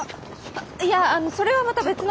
あいやあのそれはまた別の案件。